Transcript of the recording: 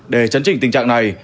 để chấn chỉnh tình trạng này